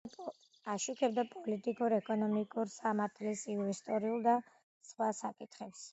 აშუქებდა პოლიტიკურ, ეკონომიკურ, სამართლის, ისტორიულ და სხვა საკითხებს.